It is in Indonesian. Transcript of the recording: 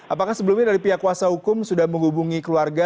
apakah sebelumnya dari pihak kuasa hukum sudah menghubungi keluarga